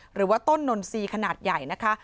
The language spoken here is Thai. หรือว่าต้นนนทรีย์ขนาดใหญ่นะคะ